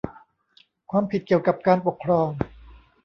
ความผิดเกี่ยวกับการปกครอง